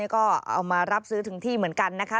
ก็เอามารับซื้อถึงที่เหมือนกันนะคะ